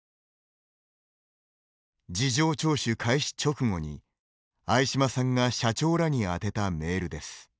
事情聴取開始直後に、相嶋さんが社長らに宛てたメールです。